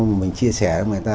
mình chia sẻ với người ta